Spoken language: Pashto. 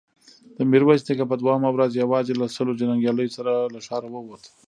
ميرويس نيکه په دوهمه ورځ يواځې له سلو جنګياليو سره له ښاره ووت.